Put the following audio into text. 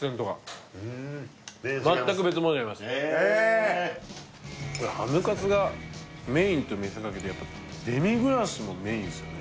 へえこれハムカツがメインと見せかけてやっぱデミグラスもメインですよね